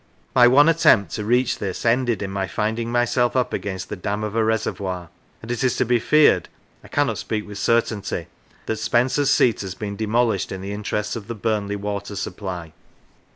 My one attempt to reach this ended in my finding myself up against the dam of a reservoir, and it is to be feared (I cannot speak with certainty) that Spenser's seat has been demolished in the interests of the Burnley water supply.